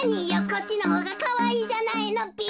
こっちのほうがかわいいじゃないのべ。